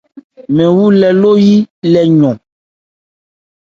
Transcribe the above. Mɛn wu lê ló-yí lê yɔn.